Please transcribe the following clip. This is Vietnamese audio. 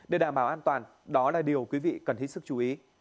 để đảm bảo an toàn đó là điều quý vị cần hết sức chú ý